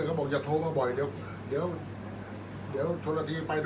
อันไหนที่มันไม่จริงแล้วอาจารย์อยากพูด